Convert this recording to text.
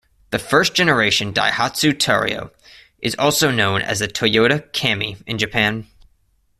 The first-generation Daihatsu Terios is also known as the Toyota Cami in Japan.